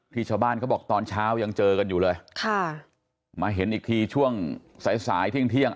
ชาวบ้านเขาบอกตอนเช้ายังเจอกันอยู่เลยค่ะมาเห็นอีกทีช่วงสายสายเที่ยงเที่ยง